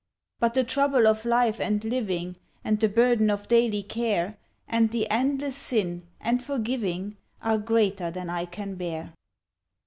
But the trouble of life and living, And the burden of daily care, And the endless sin, and forgiving, Are greater than I can bear.